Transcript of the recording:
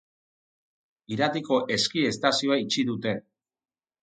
Iratiko ski estazioa itxi dute.